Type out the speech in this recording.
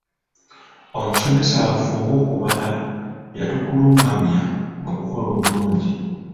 Omusomesa waffe ow'okubala yatukulungamya mu kukola obulungiko.